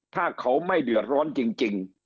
ถ้าเขาไม่เดือดร้อนจริง